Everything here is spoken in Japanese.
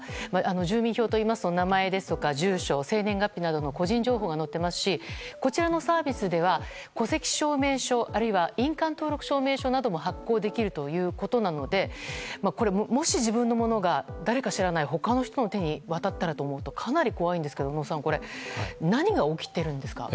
住民票といいますと名前や住所生年月日などの個人情報が載っていますしこちらのサービスでは戸籍証明書あるいは印鑑登録証明書なども発行できるということなのでもし自分のものが誰かの手に渡ったらかなり怖いんですけど小野さん何が起きてるんですか？